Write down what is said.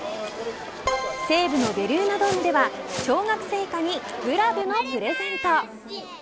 西武のベルーナドームでは小学生以下にグラブのプレゼント。